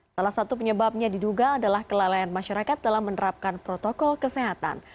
salah satu penyebabnya diduga adalah kelalaian masyarakat dalam menerapkan protokol kesehatan